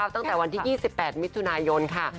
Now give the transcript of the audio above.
ตั้งแต่วันที่๒๘มิถุนายนค่ะ